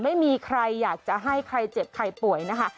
ไม่มีใครอยากจะให้ใครเจ็บใครป่วยนะคะ